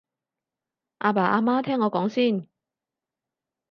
阿爸阿媽聽我講先